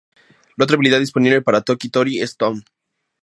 La otra habilidad disponible para Toki Tori es Stomp.